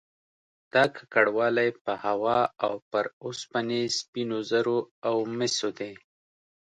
دا ککړوالی په هوا او پر اوسپنې، سپینو زرو او مسو دی